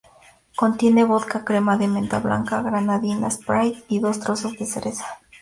Contiene vodka, crema de menta blanca, granadina, "sprite" y dos trozos de cereza.